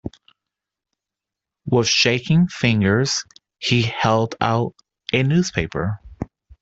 With shaking fingers he held out a newspaper.